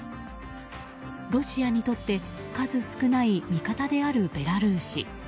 ロシアにとって数少ない味方であるベラルーシ。